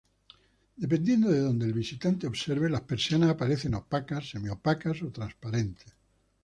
Dependiendo de donde el visitante observe, las persianas aparecen opacas, semi-opacas o transparentes.